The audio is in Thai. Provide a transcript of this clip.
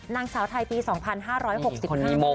นางสาวไทยตี๒๕๖๕แหละ